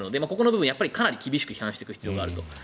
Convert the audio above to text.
ここの部分かなり批判していく必要があると。